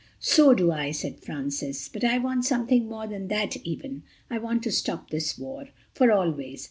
"So do I," said Francis, "but I want something more than that even. I want to stop this war. For always.